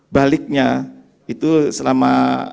baliknya itu selama